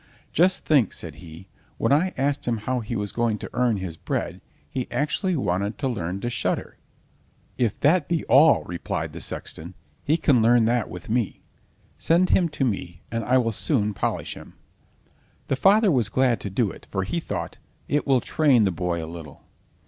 "Just think," said he, "when I asked him how he was going to earn his bread, he actually wanted to learn to shudder." "If that be all," replied the sexton, "he can learn that with me. Send him to me, and I will soon polish him." The father was glad to do it, for he thought: "It will train the boy a little."